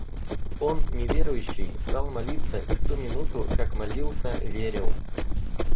Он, неверующий, стал молиться и в ту минуту, как молился, верил.